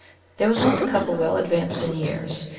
There was once a couple well advanced in years.